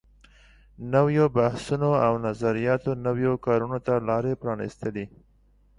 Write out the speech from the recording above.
نويو بحثونو او نظریاتو نویو کارونو ته لارې پرانیستلې.